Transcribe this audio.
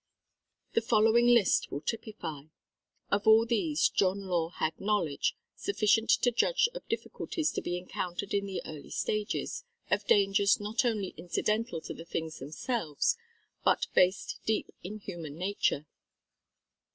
The following list will typify. Of all these John Law had knowledge sufficient to judge of difficulties to be encountered in the early stages, of dangers not only incidental to the things themselves, but based deep in human nature.